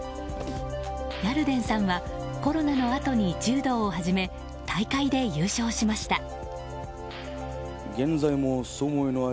ヤルデンさんはコロナのあとに柔道を始め大会で優勝しました。